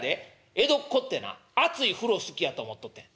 江戸っ子ってな熱い風呂好きやと思っとってんな？